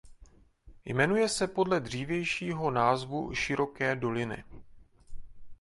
Jmenuje se podle dřívějšího názvu Široké doliny.